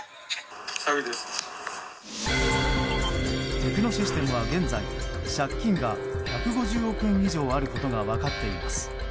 テクノシステムは現在借金が１５０億円以上あることが分かっています。